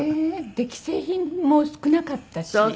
既製品も少なかったし。